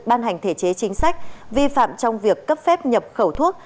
ban hành thể chế chính sách vi phạm trong việc cấp phép nhập khẩu thuốc